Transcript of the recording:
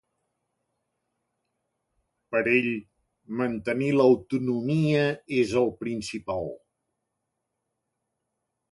Per a ell, “mantenir l’autonomia és el principal”.